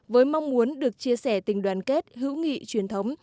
với mong muốn được chia sẻ tình đoàn kết hữu nghị truyền thống